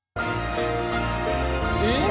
えっ？